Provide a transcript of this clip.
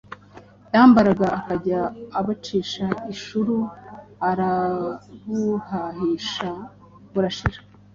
yambaraga akajya abucisha inshuru arabuhahisha burashira ,